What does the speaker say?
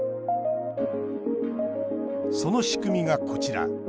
その仕組みがこちら。